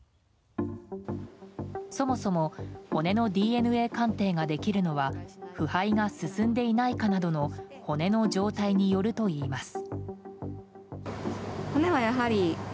そもそも骨のＤＮＡ鑑定ができるのは腐敗が進んでいないかなどの骨の状態によるといいます。